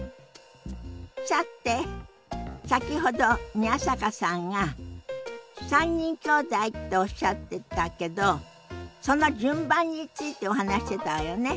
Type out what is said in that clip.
さて先ほど宮坂さんが３人きょうだいっておっしゃってたけどその順番についてお話ししてたわよね。